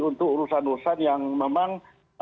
untuk urusan urusan yang memang